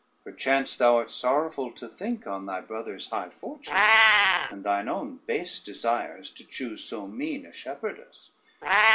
Perchance thou art sorrowful to think on thy brother's high fortunes, and thine own base desires to choose so mean a shepherdess.